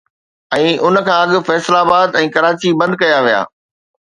۽ ان کان اڳ فيصل آباد ۽ ڪراچي بند ڪيا ويا